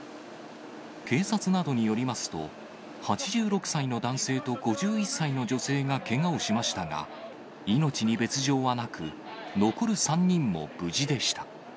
警察などによりますと、８６歳の男性と５１歳の女性がけがをしましたが、命に別状はなく、残る３人も無事でした。